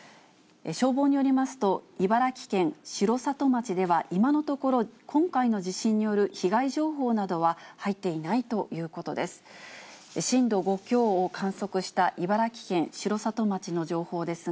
消防によりますと、茨城県城里町では今のところ、今回の地震による被害情報などは入っていないということです。